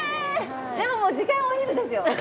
えでも時間お昼ですよ。